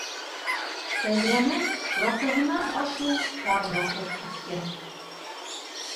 Тәҙрәне яртыһынан ашыу ҡар баҫып киткән.